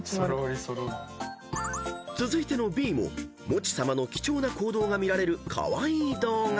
［続いてのＢももち様の貴重な行動が見られるカワイイ動画］